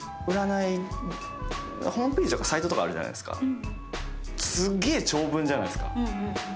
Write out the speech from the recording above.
あるじゃないですか。